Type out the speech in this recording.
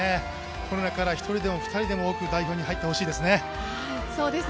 この中から１人でも２人でも代表に入ってほしいですね。